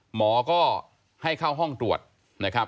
หมอก็ให้เข้าห้องตรวจนะครับ